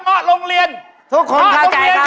วะลงเรียนครับวะลงเรียน